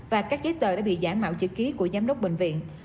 và các giấy tờ đã bị giả mạo chữ ký của giám đốc bệnh viện